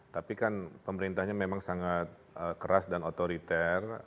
tapi kan pemerintahnya memang sangat keras dan otoriter